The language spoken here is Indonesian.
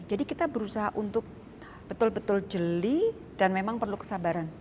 jadi kita berusaha untuk betul betul jeli dan memang perlu kesabaran